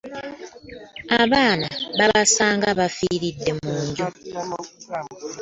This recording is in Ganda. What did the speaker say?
Abaana babasanga bafiiridde mu nju.